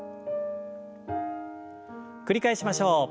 繰り返しましょう。